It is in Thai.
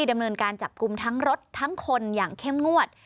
ดำเนินการจับกลุ่มทั้งรถทั้งคนอย่างเข้มงวด